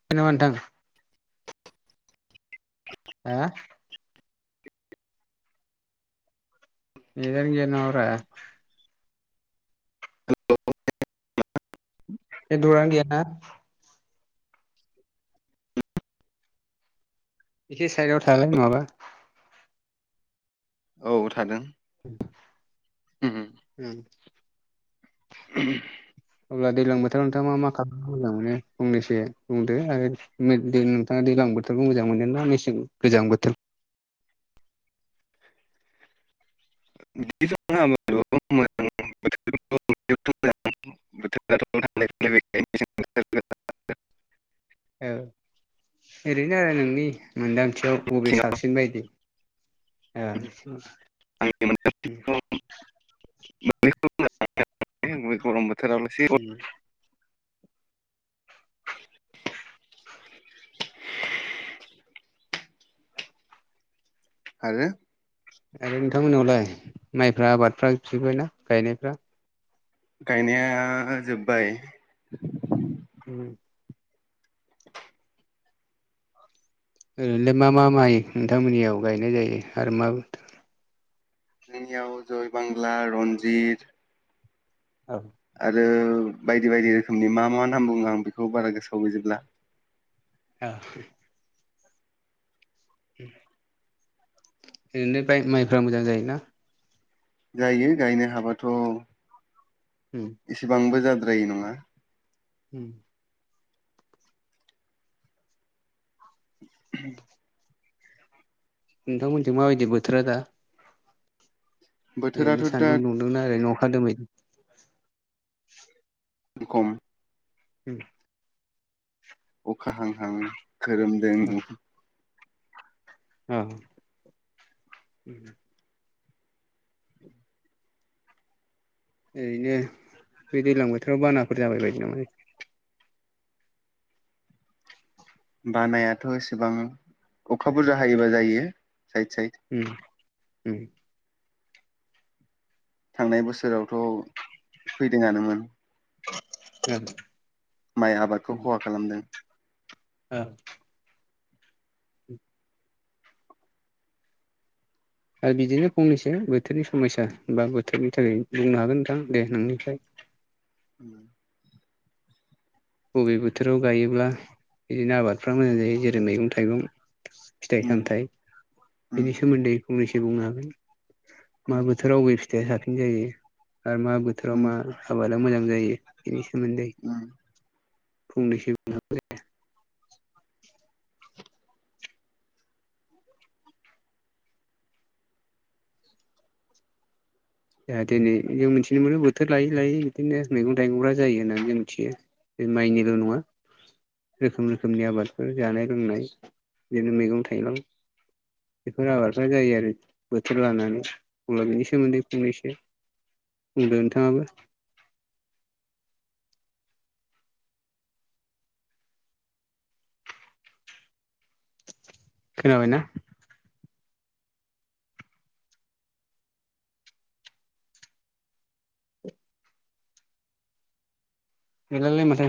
खोनाबाय नोंथां हो नेथदानो गैया नामाब्रा नेतवरकानो गैयाना एसे साइदआव थालाय नङाबा औ थादों [inaudible] उम उम [unintelligible] अब्ला दैज्लां बोथोराव नोंथाङा मा खालामनो मोजां मोनो फंनैसो बुंदो आरो दैज्लां बोथोरखौ मोजां मोनो ना मेसें गोजां बोथोर [unintelligible] [unintelligible] बोथोराथ' थांलाय फैलाय औ ओरैनो आरो नोंनि मोनदांथियाव बबे साबसिन बायदि आ आंनि उम [unintelligible] गरम बोथोरावलसो [inaudible] आरो आरो नोंथांमोनावलाय माइफ्रा आबादफ्रा जोबजोबबाय ना गायनायफ्रा गायनाया जोब्बाय उम ओरैनोलाय मा मा माइ नोंथांमोननियाव गायनाय जायो आरो मा जोंनियाव जय बांला रनजित औ आरो बायदि बायदि रोखोमनि मा मा नाम बुङो आं बेखौ बारा गोसोआव गैजोबला आ उम ओरैनो माइफ्रा मोजां जायोना जायो गायनो हाबाथ उम इसेबांबो जाद्रायै नङा उम [inaudible] नोंथांमोननिथिं माबायदि बोथोरा दा ओरैनो बोथोराथ' दा सानदुं दुंदोंना ओरैनो अखा दोमैदों [unintelligible] उम अखा हां हां खोरोमदों अ ओरैनो बे दैज्लां बोथोराव बानाफोर जाबाय बायो नामा बानायाथ एसेबां अखा बुरजा हायोबा जायो साइद साइद उम उम थांनाय बोसोरावथ फैदोंङानोमोन ओं माइ आबादखौ खहा खालामदों। औ। [inaudible] आरो बिदिनो फंनैसो बोथोरनि समयया बा बोथोरनि थाखाय बुंनो हागोन नोंथां दे नोंनिफ्राय उ [inaudible] बबे बोथोराव गायोब्ला बिदिनो आबादफ्रा मोजां जायो जेरै मैगं- थाइगं फिथाइ उम सामथाइ उम बेनि सोमोन्दै फंनैसो बुंनो हागोन। मा बोथोराव बबे फिथाइया साबसिन जायो आरो मा बोथोराव उम मा आबादा मोजां जायो बेनि सोमोन्दै [unintelligible] फंनैसो जोंा दिनै जों मिथिनो मोनो बोथोर लायै लायै बिदिनो मैगं थाइगंफ्रा जायो होननानै जों मिथियो। बे माइनिल' नङा रोखोम रोखोमनि आबादफोर जानाय लोंनाय बिदिनो मैगं थाइगं बेफोर आबादफ्रा जायो आरो बोथोर लानानै अब्ला बेनि सोमोन्दै फंनैसो बुंदो नोंथाङाबो खोनाबायना? लालै माथो